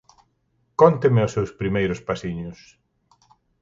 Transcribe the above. Cóntenme os seus primeiros pasiños.